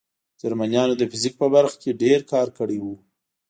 جرمنانو د فزیک په برخه کې ډېر کار کړی و